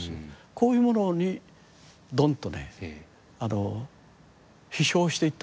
こういうものにドンとね飛翔していったんですよ。